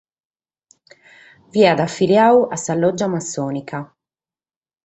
Fiat afiliadu a sa lògia massònica.